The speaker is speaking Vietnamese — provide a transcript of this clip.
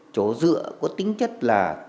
chỗ dựa có tính chất là